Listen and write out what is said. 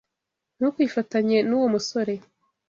Ntukifatanye nuwo musore.